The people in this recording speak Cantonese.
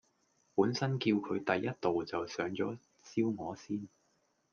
本身叫佢第一道就上左燒鵝先